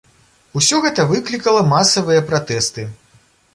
Усё гэта выклікала масавыя пратэсты.